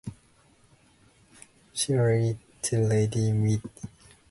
Similar to Lady Midday.